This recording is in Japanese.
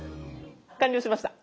完了しました。